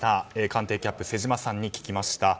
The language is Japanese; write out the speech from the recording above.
官邸キャップ瀬島さんに聞きました。